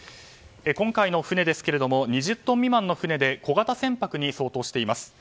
今回の船ですが２０トン未満の船で小型船舶に相当します。